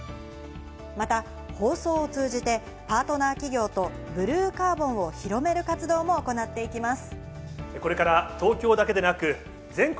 また放送を通じてパートナー企業とブルーカーボンを広める活動も行っていきます。